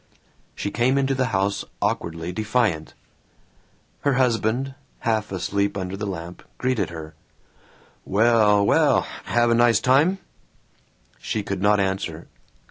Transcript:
She came into the house awkwardly defiant. Her husband, half asleep under the lamp, greeted her, "Well, well, have nice time?" She could not answer.